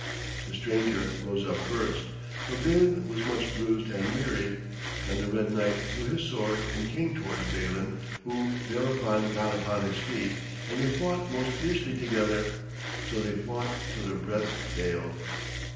The stranger rose up first, for Balin was much bruised and wearied; and the red knight drew his sword and came towards Balin, who thereupon got upon his feet, and they fought most fiercely together. So they fought till their breaths failed.